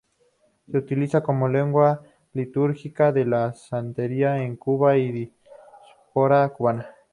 Se utiliza como lengua litúrgica de la santería en Cuba y la diáspora cubana.